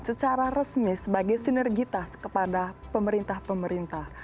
secara resmi sebagai sinergitas kepada pemerintah pemerintah